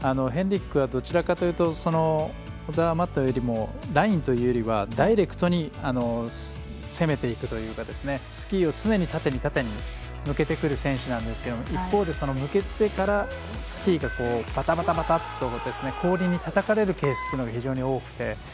ヘンリクはどちらかというとオダーマットよりもラインというよりはダイレクトに攻めていくというかスキーを常に縦に縦に向けてくる選手なんですが一方で向けてからスキーがバタバタと氷にたたかれるケースが非常に多くて。